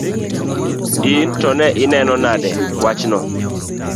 In to ineno nade wachno?